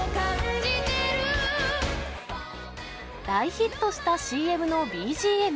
大ヒットしたＣＭのＢＧＭ。